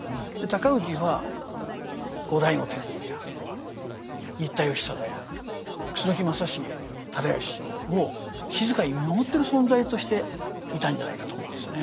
尊氏は後醍醐天皇や新田義貞や楠木正成直義を静かに見守ってる存在としていたんじゃないかと思うんですね。